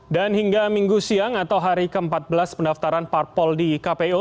dan hingga minggu siang atau hari ke empat belas pendaftaran parpol di kpu